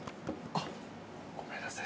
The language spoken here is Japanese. あっごめんなさい。